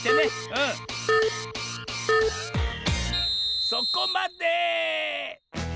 うんそこまで！